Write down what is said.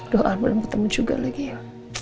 doa boleh bertemu juga lagi ya